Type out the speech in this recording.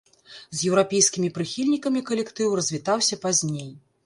З еўрапейскімі прыхільнікамі калектыў развітаўся пазней.